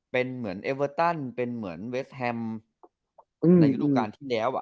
เป็นเหมือนเอเวอร์ตันเป็นเหมือนเวสแฮมในฤดูการที่แล้ว